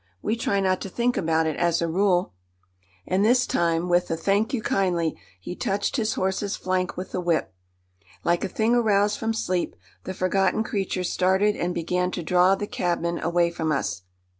We try not to think about it, as a rule." And this time, with a "Thank you, kindly!" he touched his horse's flank with the whip. Like a thing aroused from sleep the forgotten creature started and began to draw the cabman away from us.